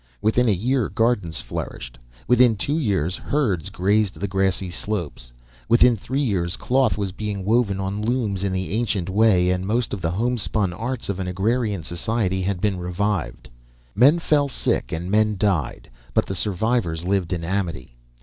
Within a year, gardens flourished; within two years herds grazed the grassy slopes; within three years cloth was being woven on looms in the ancient way and most of the homespun arts of an agrarian society had been revived. Men fell sick and men died, but the survivors lived in amity.